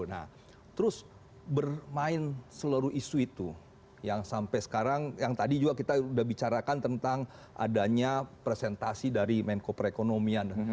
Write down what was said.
nah terus bermain seluruh isu itu yang sampai sekarang yang tadi juga kita sudah bicarakan tentang adanya presentasi dari menko perekonomian